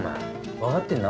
分かってんな？